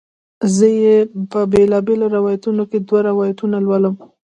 زه یې په بیلابیلو روایتونو کې دوه روایتونه لولم.